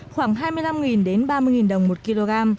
khoảng hai mươi năm ba mươi đồng